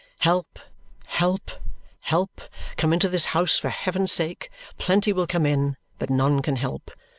Help, help, help! Come into this house for heaven's sake! Plenty will come in, but none can help.